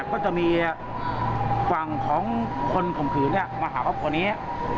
ก็จะมีฝั่งของคนข่มขื่นมาหาพวกนี้